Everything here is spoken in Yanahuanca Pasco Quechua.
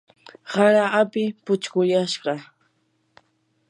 hara api puchquyashqa.